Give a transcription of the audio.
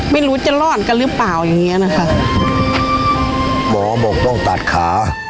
ไม่รู้จะรอดกันหรือเปล่าอย่างเงี้ยนะคะหมอบอกต้องตัดขา